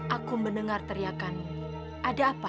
aku mendengar teriakanmu ada apa